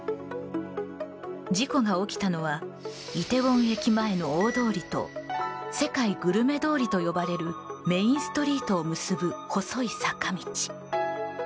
事故が起きたのはイテウォン駅前の大通りと世界グルメ通りと呼ばれるメインストリートを結ぶ細い坂道。